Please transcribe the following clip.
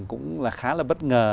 cũng là khá là bất ngờ